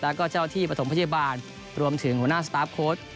แล้วก็เจ้าที่ประถมพยาบาลรวมถึงหัวหน้าสตาร์ฟโค้ด